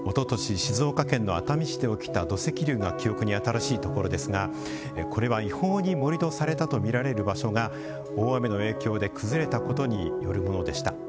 静岡県の熱海市で起きた土石流が記憶に新しいところですがこれは違法に盛土されたとみられる場所が大雨の影響で崩れたことによるものでした。